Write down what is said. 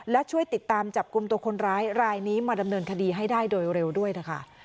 และช่วยติดตามจับกลุ่มตัวคนร้ายรายนี้มาดำเนินคดีให้ได้โดยเร็วด้วยนะคะ